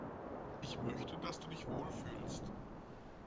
Ich möchte, dass du dich wohl fühlst.